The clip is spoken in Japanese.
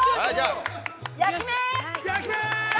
◆焼き目ー！